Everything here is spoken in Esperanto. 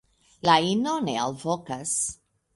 La ino ne alvokas.